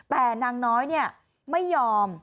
แต่นางน้อยไม่ยอม